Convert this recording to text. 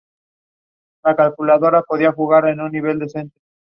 Sus primeros estudios los realizó en San Juan de Villahermosa.